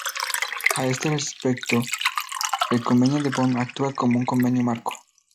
A este respecto, el Convenio de Bonn actúa como un convenio marco.